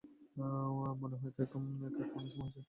মনে হয় কেক খাওয়ানোর সময় হয়েছে।